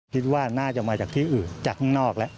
คิดว่าน่าจะมาจากที่อื่นจากข้างนอกแล้ว